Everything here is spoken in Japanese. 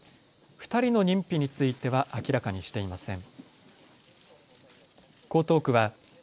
２人の認否については明らかにしていません。